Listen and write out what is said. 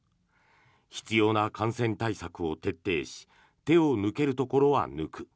必要な感染対策を徹底し手を抜けるところは抜く。